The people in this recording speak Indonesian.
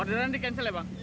orderan di cancel ya bang